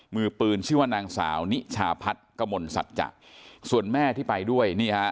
มือปืนชื่อนางสาวนิชาพัดกะมนต์สัตว์จ่ะส่วนแม่ที่ไปด้วยนี่ฮะ